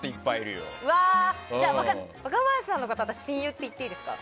じゃあ、若林さんのこと親友って言っていいですか？